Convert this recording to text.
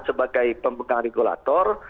sebagai pembekal regulator